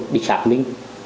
đi xác minh